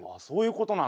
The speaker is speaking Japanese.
そう。